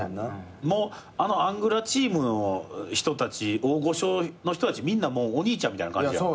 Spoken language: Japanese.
もうあのアングラチームの人たち大御所の人たちみんなお兄ちゃんみたいな感じやん。